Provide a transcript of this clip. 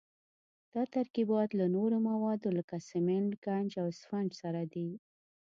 دا ترکیبات له نورو موادو لکه سمنټ، ګچ او اسفنج سره دي.